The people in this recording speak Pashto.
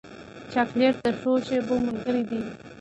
چاکلېټ د ښو شېبو ملګری دی.